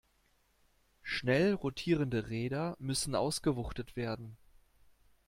Schnell rotierende Räder müssen ausgewuchtet werden.